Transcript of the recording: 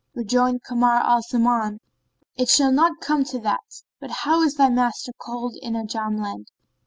Rejoined Kamar al Zaman, "It shall not come to that; but how is thy master called in Ajam land?"